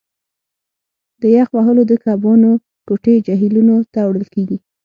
د یخ وهلو د کبانو کوټې جهیلونو ته وړل کیږي